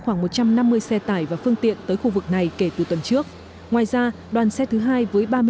khoảng một trăm năm mươi xe tải và phương tiện tới khu vực này kể từ tuần trước ngoài ra đoàn xe thứ hai với ba mươi năm